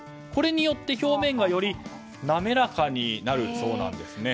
これによって表面がより滑らかになるそうなんです。